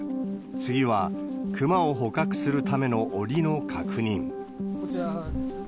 次は、クマを捕獲するためのおりの確認。